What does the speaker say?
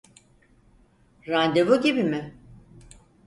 Randevu gibi mi?